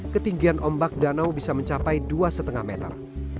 ketinggian ombak danau bisa mencapai dua lima meter